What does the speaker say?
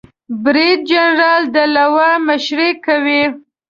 بریدجنرال د لوا مشري کوي